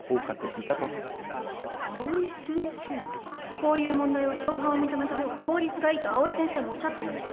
こういう問題は共犯を認めた方が効率がいいと藍井先生もおっしゃっていました